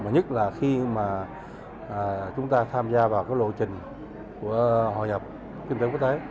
nhất là khi mà chúng ta tham gia vào lộ trình của hội nhập kinh tế quốc tế